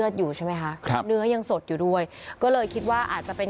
เพราะว่ามันเยอะเราก็ไม่รู้ว่าคันไหน